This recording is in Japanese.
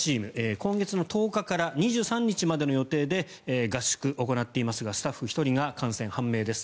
今月の１０日から２３日までの予定で合宿を行っていますがスタッフ１人が感染判明です。